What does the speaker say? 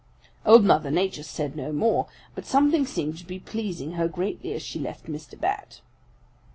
"Old Mother Nature said no more, but something seemed to be pleasing her greatly as she left Mr. Bat.